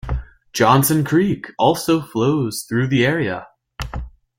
Johnson Creek also flows through the area.